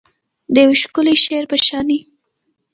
د یو ښکلي شعر په شاني